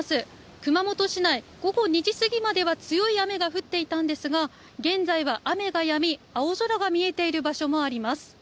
熊本市内、午後２時過ぎまでは強い雨が降っていたんですが、現在は雨がやみ、青空が見えている場所もあります。